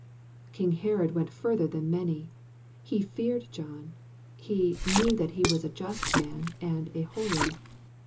King Herod went further than many. He "feared John." He "knew that he was a just man and a holy.'